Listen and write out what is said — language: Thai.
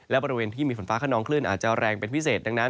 และบริเวณที่มีฝนฟ้าขนองคลื่นอาจจะแรงเป็นพิเศษดังนั้น